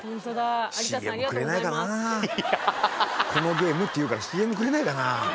このゲームって言うからＣＭくれないかな？